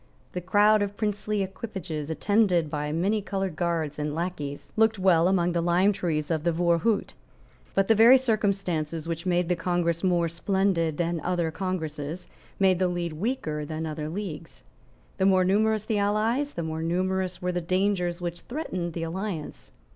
The crowd of princely equipages, attended by manycoloured guards and lacqueys, looked well among the lime trees of the Voorhout. But the very circumstances which made the Congress more splendid than other congresses made the league weaker than other leagues. The more numerous the allies, the more numerous were the dangers which threatened the alliance.